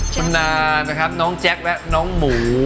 คุณนานะครับน้องแจ็คและน้องหมู